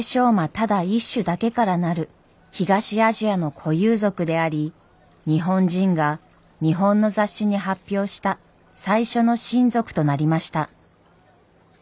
ただ一種だけからなる東アジアの固有属であり日本人が日本の雑誌に発表した最初の新属となりました。